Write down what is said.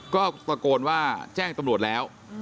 ก็ตะโกนว่าแจ้งตำรวจแล้ว